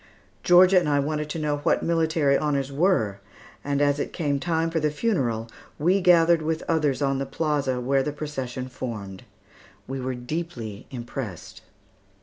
Georgia and I wanted to know what military honors were, and as it came time for the funeral, we gathered with others on the plaza, where the procession formed. We were deeply impressed.